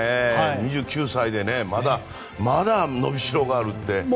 ２９歳でまだまだのびしろがあるって。